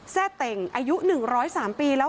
แทร่เต่งอายุ๑๐๓ปีแล้ว